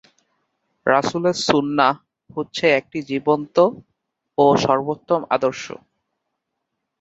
রাসূলের সুন্নাহ হচ্ছে এক জীবন্ত ও সর্বোত্তম আদর্শ।